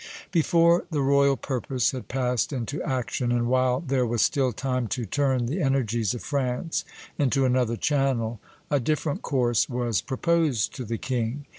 Before the royal purpose had passed into action, and while there was still time to turn the energies of France into another channel, a different course was proposed to the king.